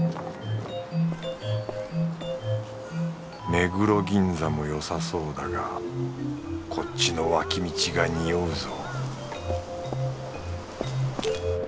目黒銀座もよさそうだがこっちの脇道がにおうぞ